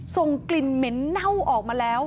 ส่งกลิ่นเหม็นเน่าออกมาแล้ว